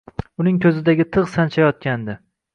Uning ko‘zidagi tig‘ sanchayotgandi.